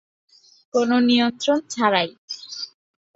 কোনো নিয়ন্ত্রণ ছাড়াই।